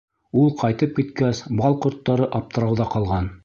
Ул ҡайтып киткәс, Бал ҡорттары аптырауҙа ҡалған.